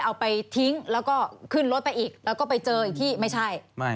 เอาไปทิ้งแล้วก็ขึ้นรถไปอีกแล้วก็ไปเจออีกที่ไม่ใช่